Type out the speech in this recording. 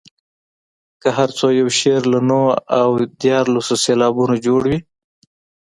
که هر څو یو شعر له نهو او دیارلسو سېلابونو جوړ وي.